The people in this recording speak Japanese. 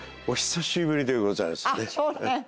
お久しぶりでございますね。